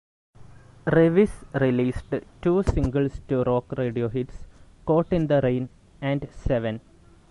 Revis released two singles to rock radio hits, "Caught in the Rain", and "Seven".